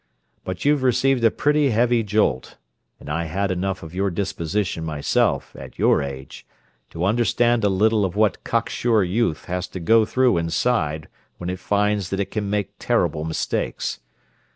But you've received a pretty heavy jolt, and I had enough of your disposition, myself, at your age, to understand a little of what cocksure youth has to go through inside when it finds that it can make terrible mistakes.